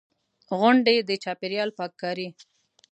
غونډې، د چاپېریال پاک کاري.